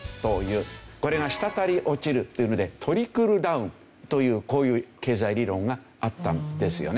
これが「滴り落ちる」というのでトリクルダウンというこういう経済理論があったんですよね。